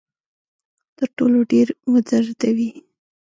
تر ټولو ډیر ودردوي.